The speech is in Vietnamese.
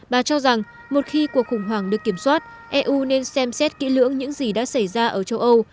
bà cho rằng một khi cuộc khủng hoảng được kiểm soát eu nên xem xét kỹ lưỡng những gì đã xảy ra ở châu âu